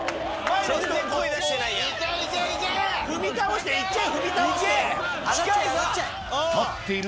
踏み倒していっちゃえ！